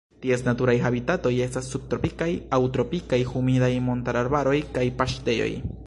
Ties naturaj habitatoj estas subtropikaj aŭ tropikaj humidaj montararbaroj kaj paŝtejoj.